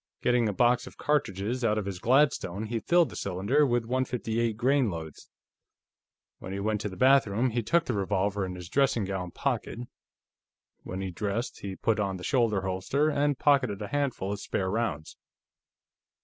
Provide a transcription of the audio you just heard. Getting a box of cartridges out of his Gladstone, he filled the cylinder with 158 grain loads. When he went to the bathroom, he took the revolver in his dressing gown pocket; when he dressed, he put on the shoulder holster, and pocketed a handful of spare rounds.